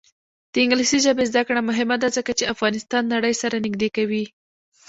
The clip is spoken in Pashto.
د انګلیسي ژبې زده کړه مهمه ده ځکه چې افغانستان نړۍ سره نږدې کوي.